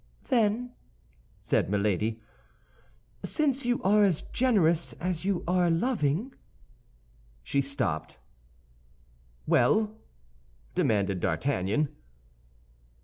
"Then," said Milady, "since you are as generous as you are loving—" She stopped. "Well?" demanded D'Artagnan.